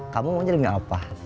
kamu mau jadi gak apa